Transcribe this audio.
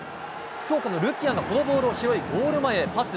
福岡のルキアンがこのボールを拾い、ゴール前へパス。